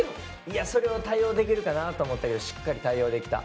いやそれを対応できるかなと思ったけどしっかり対応できた。